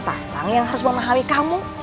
tapi kang tatang yang harus memahami kamu